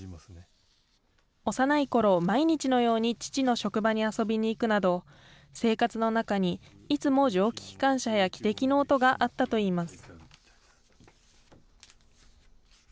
幼いころ、毎日のように父の職場に遊びに行くなど、生活の中にいつも蒸気機関車や汽笛の音があったといいます。